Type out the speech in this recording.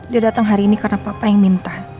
dia datang hari ini karena papa yang minta